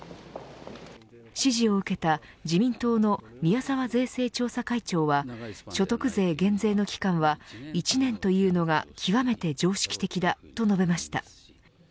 指示を受けた自民党の宮沢税制調査会長は所得税減税の期間は１年というのが極めて常識的だと述べました。